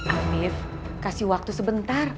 afif kasih waktu sebentar